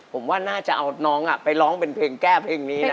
ผมว่าน่าจะเอาน้องไปร้องเป็นเพลงแก้เพลงนี้นะ